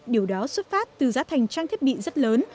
điều đó xuất phát từ giá thành trang thiết bị rất lớn